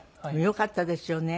よかったですよね。